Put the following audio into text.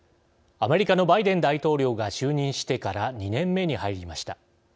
アメリカのバイデン大統領が就任してから２年目に入りました。